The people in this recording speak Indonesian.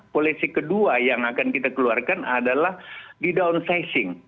polisi kedua yang akan kita keluarkan adalah di downsing